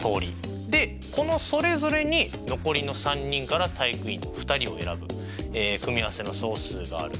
でこのそれぞれに残りの３人から体育委員２人を選ぶ組合せの総数がある。